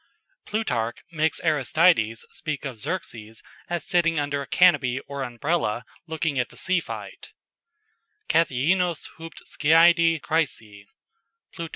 "] Plutarch makes Aristides speak of Xerxes as sitting under a canopy or Umbrella looking at the sea fight "kathaeenos hupd skiadi chrysae." _Plut.